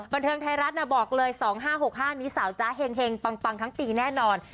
บันเทิงไทยรัฐบอกเลย๒๕๖๕นี้สาวจ๊ะเห็งปังทั้งปีแน่นอน